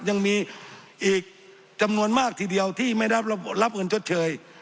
ยังมีอีกจำนวนมากทีเดียวที่ไม่ได้รับเงินชดเชย